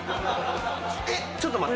えっちょっと待って！